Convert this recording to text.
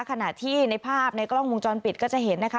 ขณะที่ในภาพในกล้องวงจรปิดก็จะเห็นนะคะ